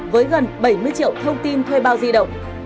với gần bảy mươi triệu thông tin thuê bao di động